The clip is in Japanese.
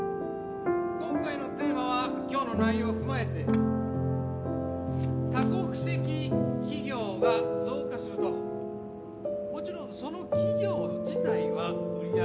今回のテーマは今日の内容を踏まえて多国籍企業が増加するともちろんその企業自体は売り上げが上がります。